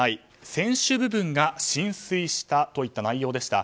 船首部分が浸水したといった内容でした。